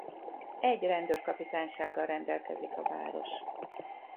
Egy rendőrkapitánysággal rendelkezik a város.